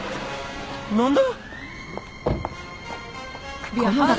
何だ？